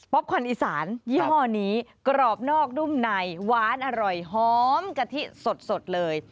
ควันอีสานยี่ห้อนี้กรอบนอกนุ่มในหวานอร่อยหอมกะทิสดเลย